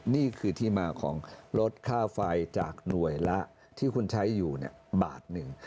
นี่คือที่มาของลดค่าไฟจากหน่วยละที่คุณใช้อยู่บาทหนึ่ง